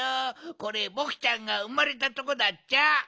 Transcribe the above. これぼくちゃんがうまれたとこだっちゃ。